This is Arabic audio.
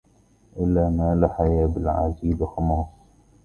ألا ما لحي بالعذيب خماص